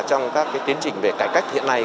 trong các tiến trình về cải cách hiện nay